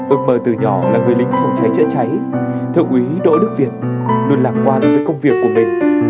ước mơ từ nhỏ là người lính không cháy chữa cháy thương quý đỗ đức việt luôn lạc quan với công việc của mình